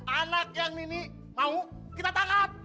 anak yang nimi mau kita tangkap